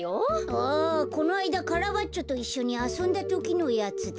あこのあいだカラバッチョといっしょにあそんだときのやつだ。